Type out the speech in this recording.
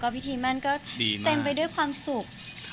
พิธีมั่นก็เต็มไปด้วยความสุข